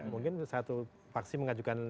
mungkin satu faksi mengajukan